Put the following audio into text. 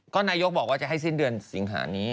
ก็นายกบอกว่าจะให้สิ้นเดือนสิงหานี้